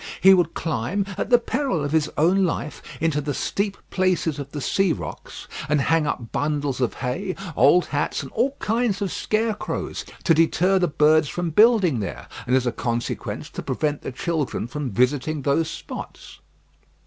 He would climb, at the peril of his own life, into the steep places of the sea rocks, and hang up bundles of hay, old hats, and all kinds of scarecrows, to deter the birds from building there, and, as a consequence, to prevent the children from visiting those spots.